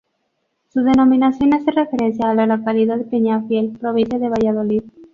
Su denominación hace referencia a la localidad de Peñafiel, provincia de Valladolid.